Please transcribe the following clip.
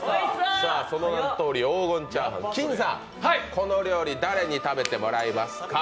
その名のとおり、黄金チャーハン、金さん、この料理、誰に食べてもらいますか？